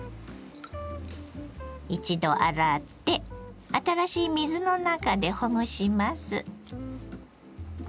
一度洗って新しい水の中でほぐします。